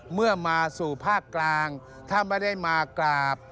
เมื่อมาสู่ภาคกลางถ้าไม่ได้มากราบ